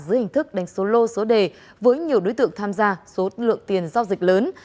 dưới hình thức đánh số lô số đề với nhiều đối tượng tham gia số lượng tiền giao dịch lớn